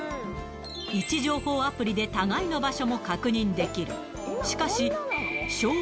位置情報アプリで互いの場所も確認できる。